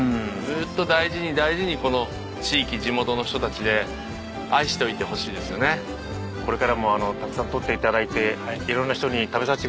ずっと大事に大事にこの地域地元の人たちで愛しておいてほしいですよね。これからもたくさん獲って頂いて色んな人に食べさせてください。